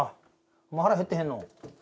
お前腹減ってへんの？